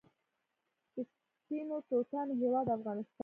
د سپینو توتانو هیواد افغانستان.